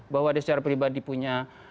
bahwa secara pribadi punya